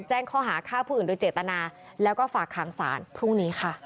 แจ้งข้อหาฆ่าผู้อื่นโดยเจตนาแล้วก็ฝากขังศาลพรุ่งนี้ค่ะ